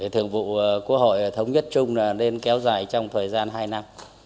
thường vụ quốc hội thống nhất chung là nên kéo dài trong thời gian hai năm